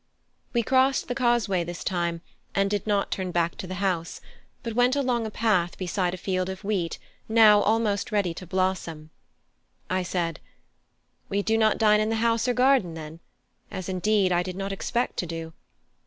We crossed the causeway this time, and did not turn back to the house, but went along a path beside a field of wheat now almost ready to blossom. I said: "We do not dine in the house or garden, then? as indeed I did not expect to do.